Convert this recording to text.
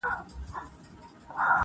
ما ویل چي یو سالار به پیدا کیږي-